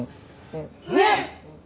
ねっ！